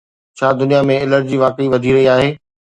ڇا دنيا ۾ الرجي واقعي وڌي رهي آهي؟